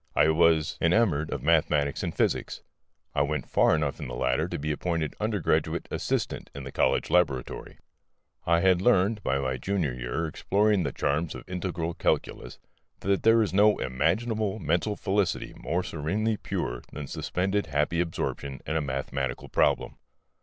I was enamoured of mathematics and physics: I went far enough in the latter to be appointed undergraduate assistant in the college laboratory. I had learned, by my junior year, exploring the charms of integral calculus, that there is no imaginable mental felicity more serenely pure than suspended happy absorption in a mathematical problem.